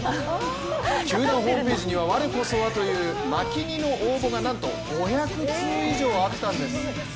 球団ホームページには我こそはという牧似の応募がなんと５００通以上あったんです。